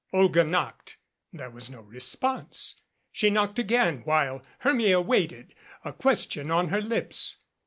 Olga knocked. There was no response. She knocked again while Hermia waited, a question on her lips.